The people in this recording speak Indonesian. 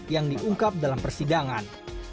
yang diungkap dalam persidangan